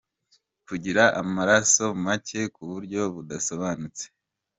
Kugira amaraso make ku buryo budasobanutse,.